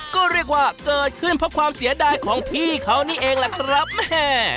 ก็เรียกว่าเกิดขึ้นเพราะความเสียดายของพี่เขานี่เองล่ะครับแม่